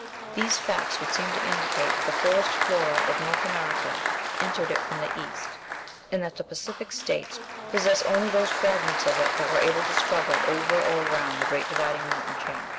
These facts would seem to indicate that the forest flora of North America entered it from the east, and that the Pacific States possess only those fragments of it that were able to struggle over or around the great dividing mountain chain.